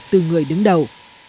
từ người đứng đầu